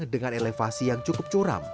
dengan elevasi yang cukup curam